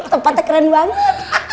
tempatnya keren banget